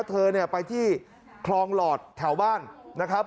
เธอเนี่ยไปที่คลองหลอดแถวบ้านนะครับ